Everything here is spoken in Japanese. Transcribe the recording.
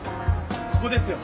ここですよ。